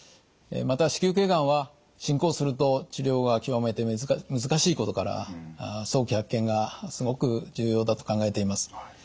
また子宮頸がんは進行すると治療が極めて難しいことから早期発見がすごく重要だと考えています。